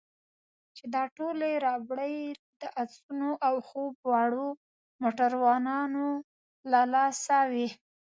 چې دا ټولې ربړې د اسونو او خوب وړو موټروانانو له لاسه وې.